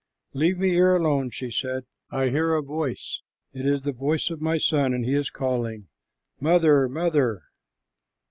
"Leave me here alone," she said. "I hear a voice. It is the voice of my son, and he is calling, 'Mother, mother.'